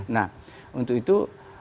nah untuk itu